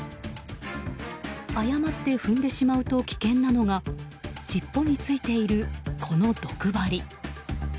誤って踏んでしまうと危険なのが尻尾についているこの毒針。